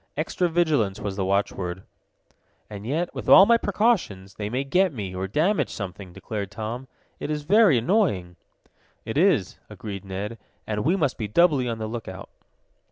Extra vigilance was the watchword. "And yet, with all my precautions, they may get me, or damage something," declared Tom. "It is very annoying!" "It is," agreed Ned, "and we must be doubly on the lookout."